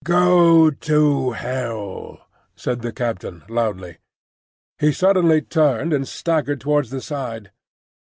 "Go to hell!" said the captain, loudly. He suddenly turned and staggered towards the side.